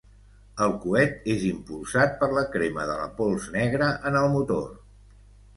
El coet és impulsat per la crema de la pols negra en el motor.